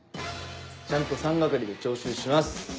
ちゃんと三係で徴収します。